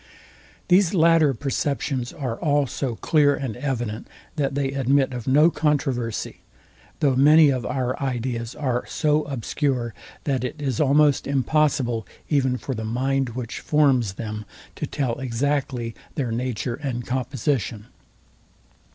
These latter perceptions are all so clear and evident, that they admit of no controversy; though many of our ideas are so obscure, that it is almost impossible even for the mind, which forms them, to tell exactly their nature and composition.